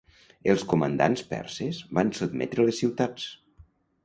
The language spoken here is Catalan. Els comandants perses van sotmetre les ciutats.